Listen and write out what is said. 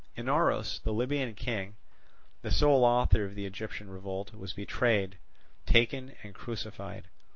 Inaros, the Libyan king, the sole author of the Egyptian revolt, was betrayed, taken, and crucified.